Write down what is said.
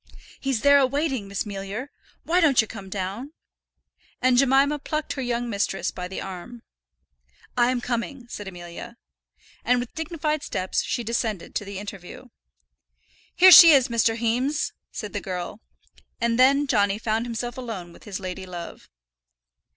"He's there a waiting, Miss Mealyer. Why don't yer come down?" and Jemima plucked her young mistress by the arm. "I am coming," said Amelia. And with dignified steps she descended to the interview. "Here she is, Mr. Heames," said the girl. And then Johnny found himself alone with his lady love.